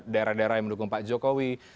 daerah daerah yang mendukung pak jokowi